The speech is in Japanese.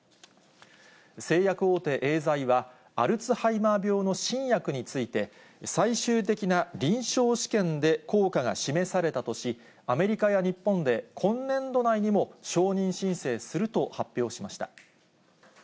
製薬大手、エーザイは、アルツハイマー病の新薬について、最終的な臨床試験で効果が示されたとし、アメリカや日本で今年度内にも、承認申請すると発表しました。